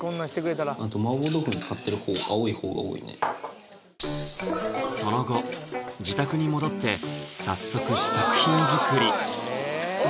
大きめあと麻婆豆腐に使ってるほう青いほうが多いねその後自宅に戻って早速試作品づくり